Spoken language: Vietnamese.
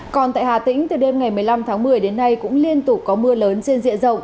còn tại hà tĩnh từ đêm ngày một mươi năm tháng một mươi đến nay cũng liên tục có mưa lớn trên diện rộng